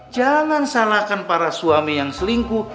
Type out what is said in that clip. jangan salahkan para suami yang selingkuh